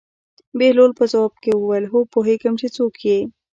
بهلول په ځواب کې وویل: هو پوهېږم چې څوک یې.